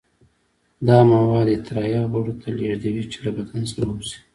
دا مواد اطراحیه غړو ته لیږدوي چې له بدن څخه ووځي.